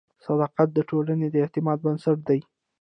صداقت د ټولنې د اعتماد بنسټ دی.